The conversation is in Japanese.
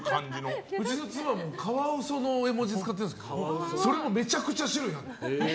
うちの妻もカワウソの絵文字使ってるんですけどそれもめちゃくちゃ種類あるの。